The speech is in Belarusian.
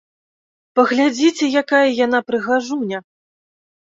Паглядзіце, якая яна прыгажуня!